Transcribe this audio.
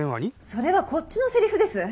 それはこっちのセリフです！